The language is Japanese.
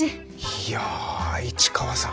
いやぁ市川さん